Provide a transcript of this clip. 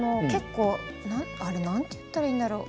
なんて言ったらいいんだろう？